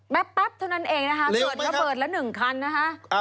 แป๊บเท่านั้นเองนะคะเกิดระเบิดละ๑คันนะคะ